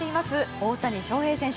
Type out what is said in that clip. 大谷翔平選手。